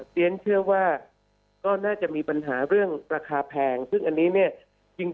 เรียนเชื่อว่าก็น่าจะมีปัญหาเรื่องราคาแพงซึ่งอันนี้เนี่ยจริง